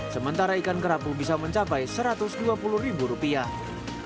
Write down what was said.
sementara ikan kerapu bisa mencapai satu ratus dua puluh ribu rupiah